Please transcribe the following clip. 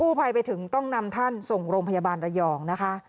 ภัยไปถึงต้องนำท่านส่งโรงพยาบาลระยองนะคะ